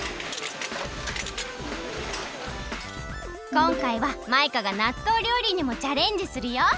こんかいはマイカがなっとう料理にもチャレンジするよ！